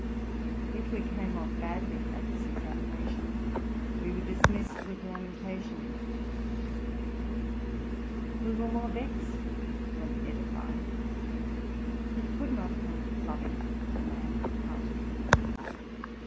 If we came off badly at this examination, we were dismissed with lamentations : we were more vexed than edified, yet could not help loving the man heartily.